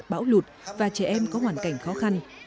bão lụt và trẻ em có hoàn cảnh khó khăn